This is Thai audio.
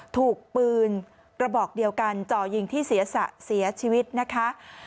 ถูกปืนกระบอกเดียวกันจ่อยิงที่ศีรษะเสียชีวิตนะคะ